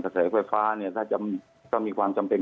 สถานการณ์ไฟฟ้าถ้ามีความจำเป็น